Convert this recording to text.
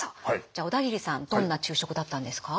じゃあ小田切さんどんな昼食だったんですか？